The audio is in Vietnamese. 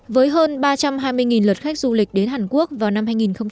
với hơn ba trăm hai mươi lượt khách du lịch đến hàn quốc vào năm hai nghìn hai mươi